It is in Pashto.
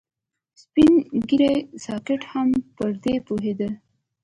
سپين ږيری سکاټ هم پر دې پوهېده.